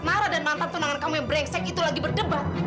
mara dan mantan tunangan kamu yang brengsek itu lagi berdebat